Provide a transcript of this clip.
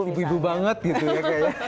ibu ibu banget gitu ya kayak